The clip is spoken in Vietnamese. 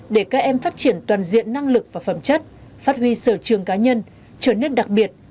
để các em phát triển toàn diện năng lực và phát triển